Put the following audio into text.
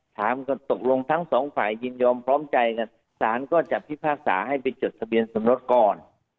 ถามก็ตกลงทั้งสองฝ่ายยินยอมพร้อมใจกันสารก็จะพิพากษาให้ไปจดทะเบียนสมรสก่อน